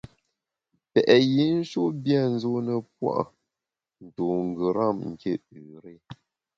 Pèt yinshut bia nzune pua’ ntu ngeram nké üré.